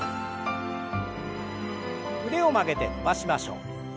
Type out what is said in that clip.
腕を曲げて伸ばしましょう。